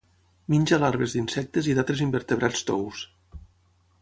Menja larves d'insectes i d'altres invertebrats tous.